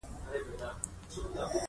دغه ماموریت ته ولاړه شم.